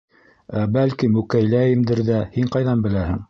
Ә бәлки, мүкәйләйемдер ҙә - һин ҡайҙан беләһең?